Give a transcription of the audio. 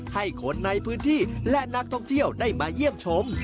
ให้คนในพื้นที่และนักท่องเที่ยวได้มาเยี่ยมชม